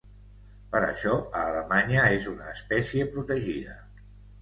Per això, a Alemanya és una espècie protegida.